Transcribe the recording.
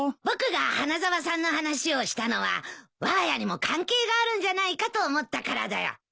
僕が花沢さんの話をしたのはわが家にも関係があるんじゃないかと思ったからだよ。